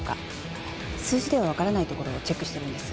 数字ではわからないところをチェックしてるんです。